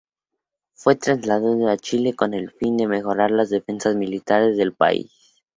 Fue trasladado a Chile con el fin de mejorar las defensas militares del país.